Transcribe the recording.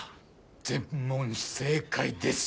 全問正解です。